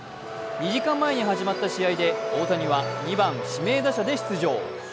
２時間前に始まった試合で大谷は２番・指名打者で出場。